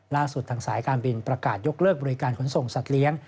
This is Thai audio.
ล่าสุดทางสายการบินประกาศยกเลิกบริการขนส่งสัตว์เลี้ยง